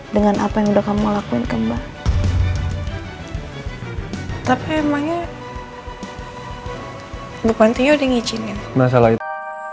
dengan apa yang udah kamu lakuin kembali tapi emangnya bukan tio di ngijinkan masalah itu